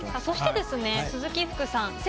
そしてですね鈴木福さん